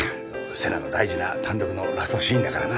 瀬那の大事な単独のラストシーンだからな。